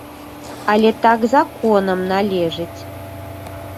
Але так законам належыць.